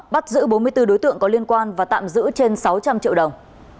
bắt giữ bốn mươi bốn đối tượng có liên quan và tạm giữ trên sáu trăm linh triệu đồng